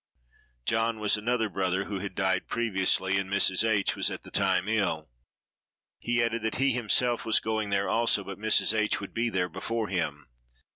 (John was another brother, who had died previously, and Mrs. H—— was at the time ill.) He added that "he himself was going there also, but that Mrs. H—— would be there before him."